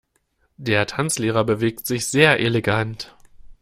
Der Tanzlehrer bewegt sich sehr elegant.